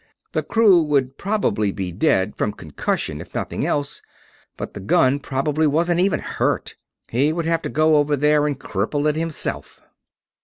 The crew would probably be dead from concussion, if nothing else but the gun probably wasn't even hurt. He would have to go over there and cripple it himself.